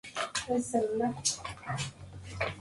Ha publicado en editoriales como Pre-Textos o Renacimiento.